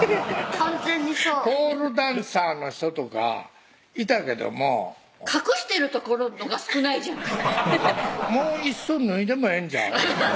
完全にそうポールダンサーの人とかいたけども隠してる所のが少ないじゃんもういっそ脱いでもええんちゃう？